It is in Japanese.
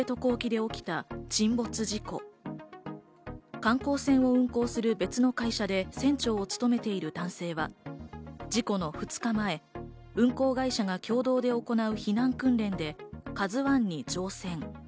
観光船を運航する別の会社で船長を務めている男性は事故の２日前、運航会社が共同で行う避難訓練で、「ＫＡＺＵ１」に乗船。